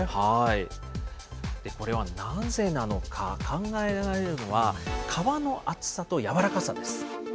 これはなぜなのか、考えられるのは、革の厚さと柔らかさです。